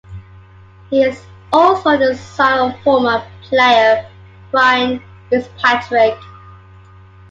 He is also the son of former player Brian Fitzpatrick.